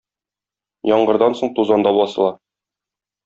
Яңгырдан соң тузан да басыла.